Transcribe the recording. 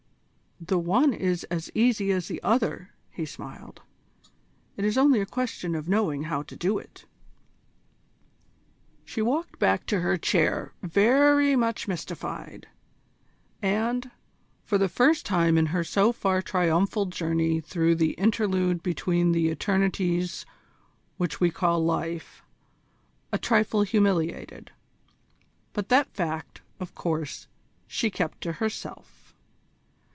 "The one is as easy as the other," he smiled. "It is only a question of knowing how to do it." She walked back to her chair very much mystified, and, for the first time in her so far triumphal journey through the interlude between the eternities which we call life, a trifle humiliated: but that fact, of course, she kept to herself.